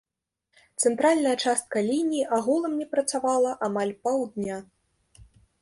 Цэнтральная частка лініі агулам не працавала амаль паўдня.